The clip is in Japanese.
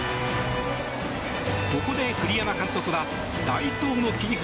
ここで栗山監督は代走の切り札